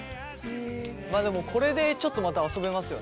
まあでもこれでちょっとまた遊べますよね？